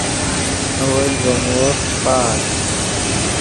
اول ڤے مووف فخآت